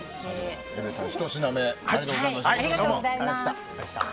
江部さん、ひと品目ありがとうございました。